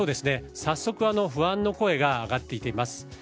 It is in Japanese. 早速不安の声が上がっています。